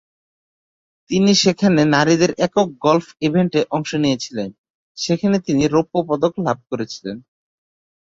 তিনি সেখানে নারীদের একক গলফ ইভেন্টে অংশ নিয়েছিলেন; যেখানে তিনি রৌপ্য পদক লাভ করেছিলেন।